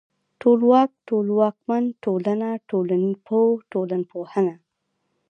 ټولواک ، ټولواکمن، ټولنه، ټولنپوه، ټولنپوهنه